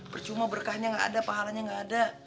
percuma berkahnya enggak ada pahalanya enggak ada